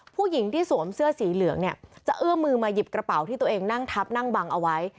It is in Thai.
ผู้หญิงที่สวมเสื้อสีเหลืองเนี่ยจะเอื้อมือมาหยิบกระเป๋าที่ตัวเองนั่งทับนั่งบังเอาไว้